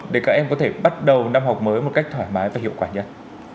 để các em có thể bắt đầu năm học mới một cách thoải mái và hiệu quả nhất